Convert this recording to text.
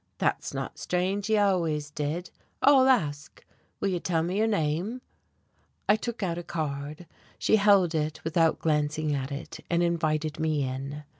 That's not strange he always did. I'll ask. Will you tell me your name?" I took out a card. She held it without glancing at it, and invited me in.